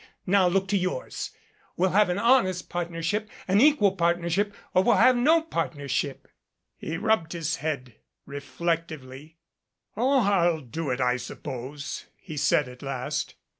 Now look to yours. We'll have an honest partnership an equal partnership, or we'll have no part nership." He rubbed his head reflectively. "Oh, I'll do it, I suppose," he said at last.